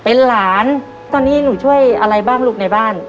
เป็นหลานตอนนี้หนูช่วยอะไรบ้างลูกในบ้าน